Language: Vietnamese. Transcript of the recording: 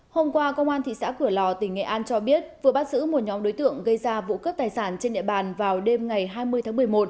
hôm qua công an thị xã cửa lò tỉnh nghệ an cho biết vừa bắt giữ một nhóm đối tượng gây ra vụ cướp tài sản trên địa bàn vào đêm ngày hai mươi tháng một mươi một